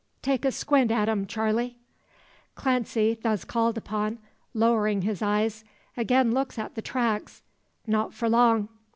Take a squint at 'em, Charley." Clancy, thus called upon, lowering his eyes, again looks at the tracks. Not for long.